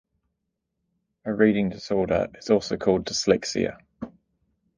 Reading disorder is also called dyslexia.